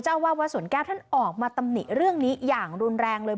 ว่าวัดสวนแก้วท่านออกมาตำหนิเรื่องนี้อย่างรุนแรงเลย